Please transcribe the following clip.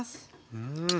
うん。